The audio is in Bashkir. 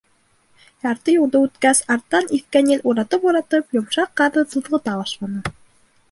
Ярты юлды үткәс, арттан иҫкән ел уратып-уратып йомшаҡ ҡарҙы туҙғыта башланы.